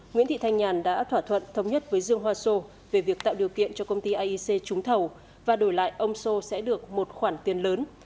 nguyễn thị thanh nhàn đã thỏa thuận thống nhất với dương hoa sô về việc tạo điều kiện cho công ty iec trúng thầu và đổi lại ông sô sẽ được một khoản tiền lớn